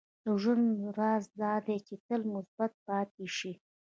• د ژوند راز دا دی چې تل مثبت پاتې شې.